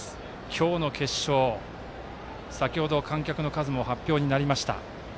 今日の決勝、先ほど観客の数も発表になりました。